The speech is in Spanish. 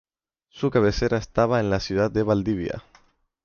Su cabecera estaba en la Ciudad de Valdivia.